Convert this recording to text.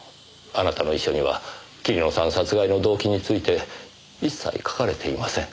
あなたの遺書には桐野さん殺害の動機について一切書かれていません。